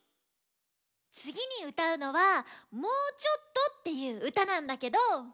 つぎにうたうのは「もうちょっと！」っていううたなんだけど。